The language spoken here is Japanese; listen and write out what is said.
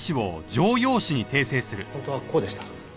本当はこうでした。